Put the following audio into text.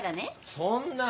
そんな。